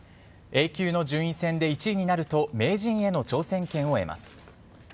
Ａ級の順位戦で１位になると名人への挑戦権を得ます。